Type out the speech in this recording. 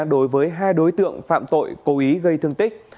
đối với hai đối tượng phạm tội cố ý gây thương tích